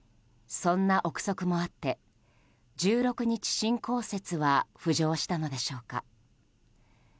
そんな憶測もあって１６日侵攻説は浮上したのでしょうか。